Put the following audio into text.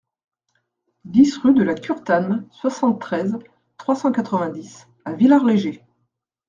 dix rue de la Curtane, soixante-treize, trois cent quatre-vingt-dix à Villard-Léger